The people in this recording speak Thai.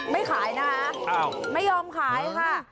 ไม่ขายนะคะไม่ยอมขายค่ะ